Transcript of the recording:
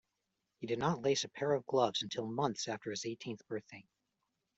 He did not lace a pair of gloves until months after his eighteenth birthday.